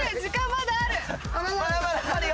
まだまだあるよ。